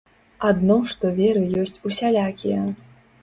Адно што веры ёсць усялякія.